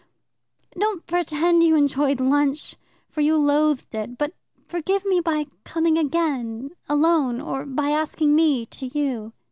Don't pretend you enjoyed lunch, for you loathed it, but forgive me by coming again, alone, or by asking me to you."